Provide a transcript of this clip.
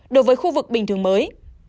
đối với khu vực bình thường mới